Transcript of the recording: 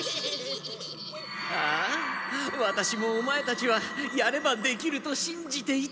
ああワタシもオマエたちはやればできると信じていた。